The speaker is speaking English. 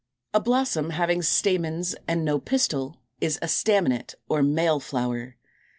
A blossom having stamens and no pistil is a Staminate or Male flower.